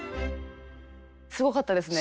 すごかったですね。